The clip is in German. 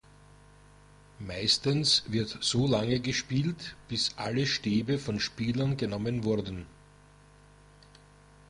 Meistens wird so lange gespielt, bis alle Stäbe von Spielern genommen wurden.